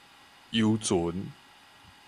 遊船